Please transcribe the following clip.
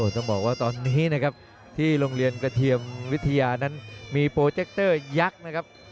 ต้องบอกว่าตอนนี้นะครับที่โรงเรียนกระเทียมวิทยานั้นมีโปรเจคเตอร์ยักษ์นะครับ